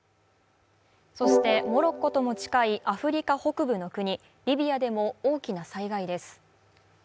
そして、モロッコとも近いアフリカ北部の国、リビアでも大きな災害です。